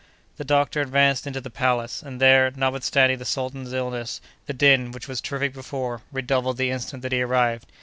The doctor advanced into the palace, and there, notwithstanding the sultan's illness, the din, which was terrific before, redoubled the instant that he arrived.